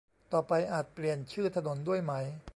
ต่อไปอาจเปลี่ยนชื่อถนนด้วยไหม